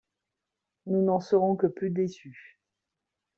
Nous n'en serons que plus déçus.